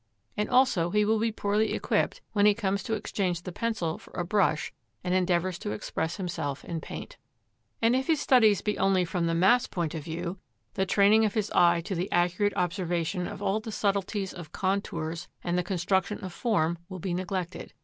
And also he will be poorly equipped when he comes to exchange the pencil for a brush and endeavours to express himself in paint. And if his studies be only from the mass point of view, the training of his eye to the accurate observation of all the subtleties of contours and the construction of form will be neglected.